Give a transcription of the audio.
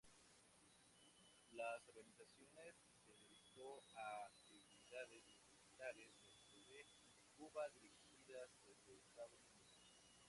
La organización se dedicó a actividades militares dentro de Cuba dirigidas desde Estados Unidos.